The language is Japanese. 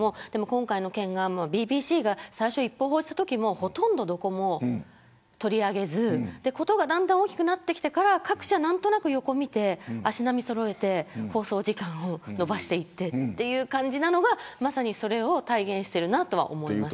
今回の件がＢＢＣが最初一報を報じたときも、ほとんどどこも取り上げず事がだんだん大きくなってきてから各社が何となく足並みをそろえて放送時間を延ばしていってという感じなのがまさにそれを体現しているな、とは思います。